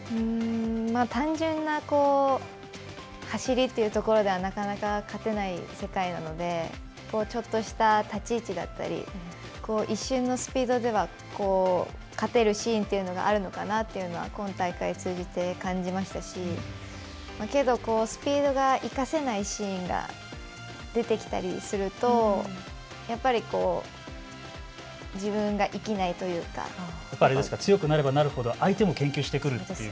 単純な走りというところではなかなか勝てない世界なのでちょっとした立ち位置だったり一瞬のスピードでは勝てるシーンというのがあるのかなというのは今大会通じて感じましたしけど、スピードが生かせないシーンが出てきたりするとやっぱり自分が生きないというかやっぱり強くなればなるほど相手も研究してくる、